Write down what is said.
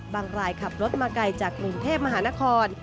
รายขับรถมาไกลจากกรุงเทพมหานคร